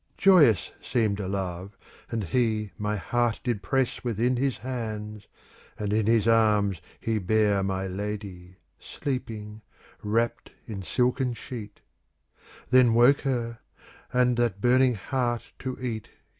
Joyous seemed Love, and he my heart did press Within his hands, and in his arms he bare ^° My lady, sleeping, wrapt in silken sheet; Then woke her, and that burning heart to eat.